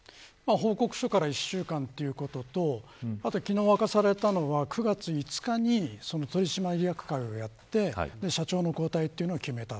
報告書から１週間ということと昨日明かされたのは、９月５日に取締役会をやって社長の交代を決めた。